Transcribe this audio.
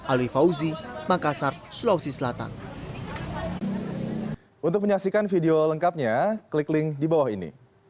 ali fauzi makassar sulawesi selatan